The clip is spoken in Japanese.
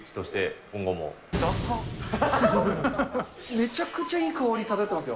めちゃくちゃいい香り漂ってますよ。